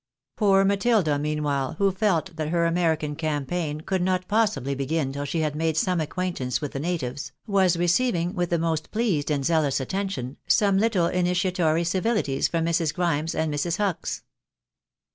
Poor Matilda, meanwhile, who felt that her American campaign could not possibly begin till she had made some acquaint ance with the natives, was receiving, with the most pleased and zealous attention, some little initiatory civihties from Mrs. Grimes and Mrs. Hucks.